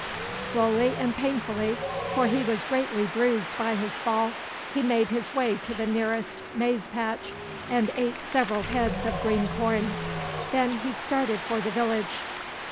Slowly and painfully, for he was greatly bruised by his fall, he made his way to the nearest maize patch, and ate several heads of green corn. Then he started for the village.